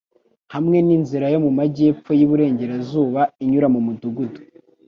hamwe n'inzira yo mu majyepfo y'iburengerazuba inyura mu mudugudu .